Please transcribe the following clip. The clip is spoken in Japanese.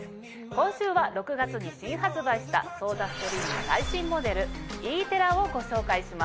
今週は６月に新発売したソーダストリーム最新モデルＥ−ＴＥＲＲＡをご紹介します。